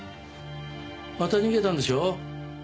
また逃げたんでしょう？